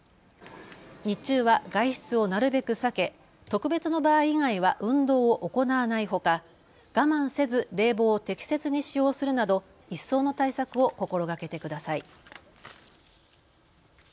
日中は外出をなるべく避け特別の場合以外は運動を行わないほか、我慢せず冷房を適切に使用するなど一層の対策を心がけてください。